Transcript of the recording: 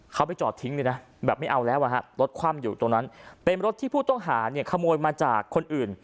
เขาไปจอดทิ้งเลยนะแบบไม่เอาแล้วอ่ะฮะรถคว่ำอยู่ตรงนั้นเป็นรถที่ผู้ต้องหาเนี่ยขโมยมาจากคนอื่น